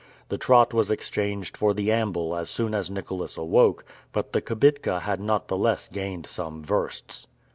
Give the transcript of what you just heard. The trot was exchanged for the amble as soon as Nicholas awoke, but the kibitka had not the less gained some versts.